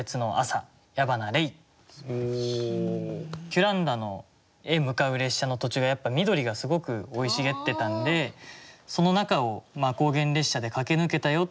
キュランダへ向かう列車の途中が緑がすごく生い茂ってたんでその中を高原列車で駆け抜けたよ。